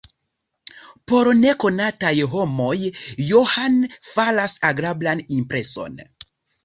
Por nekonataj homoj Johan faras agrablan impreson.